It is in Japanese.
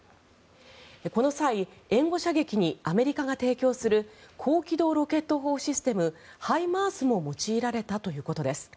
この際、援護射撃にアメリカが提供する高機動ロケット砲システムＨＩＭＡＲＳも用いられたということです。